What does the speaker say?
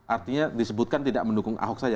artinya disebutkan tidak mendukung ahok saja